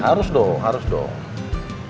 harus dong harus dong